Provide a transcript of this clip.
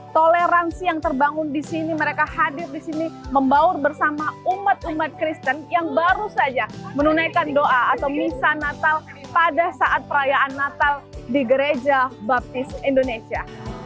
toleransi yang terbangun di sini mereka hadir di sini membaur bersama umat umat kristen yang baru saja menunaikan doa atau misa natal pada saat perayaan natal di gereja baptis indonesia